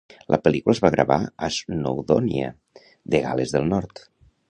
La pel·lícula es va gravar a Snowdonia, de Gal·les del Nord.